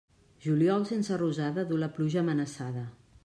Juliol sense rosada, du la pluja amenaçada.